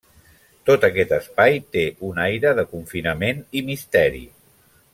Tot aquest espai té un aire de confinament i misteri.